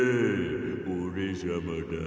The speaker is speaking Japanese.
おれさまだ。